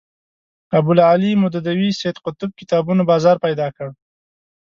ابوالاعلی مودودي سید قطب کتابونو بازار پیدا کړ